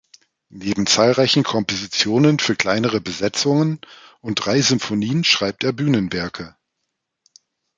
Neben zahlreichen Kompositionen für kleinere Besetzungen und drei Symphonien schreibt er Bühnenwerke.